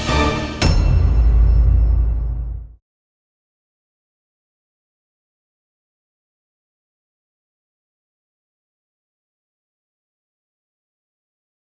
masih ada yang nunggu